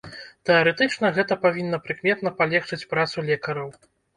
Тэарэтычна, гэта павінна прыкметна палегчыць працу лекараў.